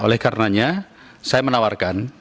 oleh karenanya saya menawarkan